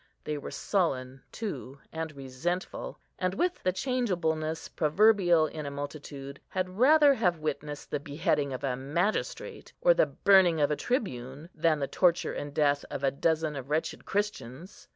They were sullen, too, and resentful; and, with the changeableness proverbial in a multitude, had rather have witnessed the beheading of a magistrate, or the burning of a tribune, than the torture and death of a dozen of wretched Christians.